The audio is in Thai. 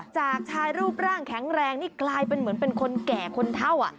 จากชายรูปร่างแข็งแรงนี่กลายเป็นเหมือนเป็นคนแก่คนเท่า